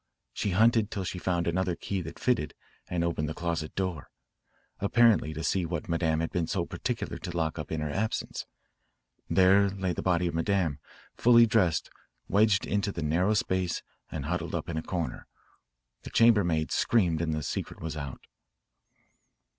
She hunted till she found another key that fitted, and opened the closet door, apparently to see what Madame had been so particular to lock up in her absence. There lay the body of Madame, fully dressed, wedged into the narrow space and huddled up in a corner. The chambermaid screamed and the secret was out."